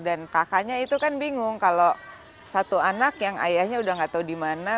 dan kakaknya itu kan bingung kalau satu anak yang ayahnya udah nggak tahu di mana